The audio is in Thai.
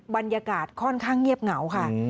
บรรยากาศค่อนข้างเงียบเหงาค่ะ